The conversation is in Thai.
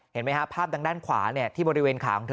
เห็นไหมครับภาพทางด้านขวาที่บริเวณขาของเธอ